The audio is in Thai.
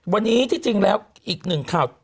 วันนี้ที่จริงแล้วอีกหนึ่งข่าว